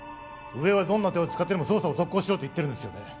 上はどんな手を使ってでも捜査を続行しろと言ってるんですよね